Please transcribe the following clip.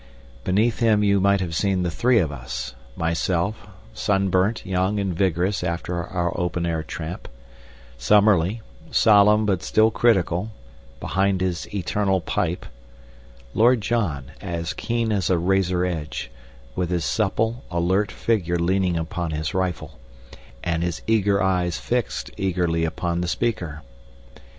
Beneath him you might have seen the three of us myself, sunburnt, young, and vigorous after our open air tramp; Summerlee, solemn but still critical, behind his eternal pipe; Lord John, as keen as a razor edge, with his supple, alert figure leaning upon his rifle, and his eager eyes fixed eagerly upon the speaker.